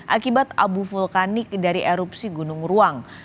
akibat abu vulkanik dari erupsi gunung ruang